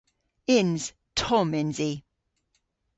Yns. Tomm yns i.